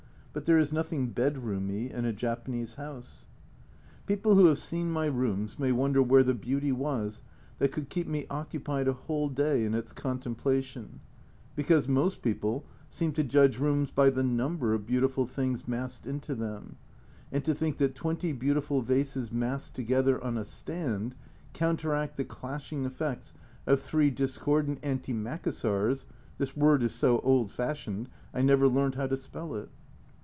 But there is nothing " bedroomy " in a Japanese house. People who have seen my rooms may wonder where the beauty was that could keep me occupied a whole day in its contemplation, because most people seem to judge rooms by the number of beautiful things massed into them, and to think that twenty beautiful vases massed together on a stand counteract the clashing effects of three discordant antimacassars (this word is so old fashioned, I never learnt how to spell it